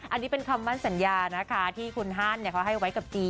อันนี้เป็นคำมั่นสัญญานะคะที่คุณฮันเขาให้ไว้กับจี